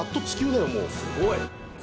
すごい。